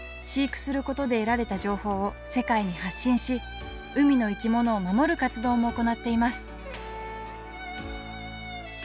飼育することで得られた情報を世界に発信し海の生き物を守る活動も行っています